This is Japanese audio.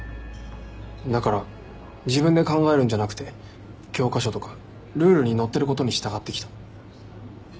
だから自分で考えるんじゃなくて教科書とかルールに載ってることに従ってきた。